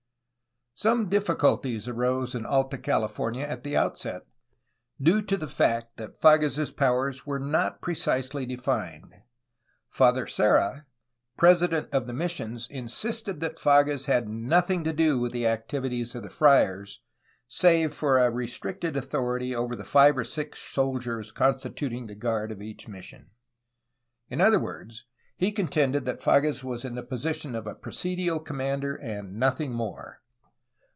Some difficulties arose in Alta California at the outset, due to the fact that Fages' powers were not precisely defined. Father Serra, president of the missions, insisted that Fages had nothing to do with the activities of the friars, save for a restricted authority over the five or six soldiers constituting the guard of each mission; in other words, he contended that Fages was in the position of a presidial commander and nothing more.